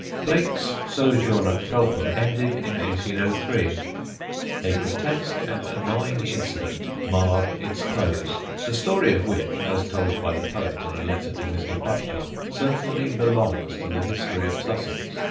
Blake's sojourn at Felpham ended in 1803. A grotesque and annoying incident marred its close, the story of which, as told by the poet in a letter to Mr. Butler, certainly belongs to the history of Sussex.